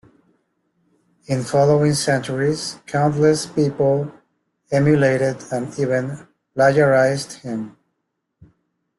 In following centuries, countless people emulated and even plagiarized him.